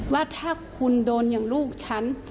ว่าถ้าคุณโดนอย่างลูกฉัน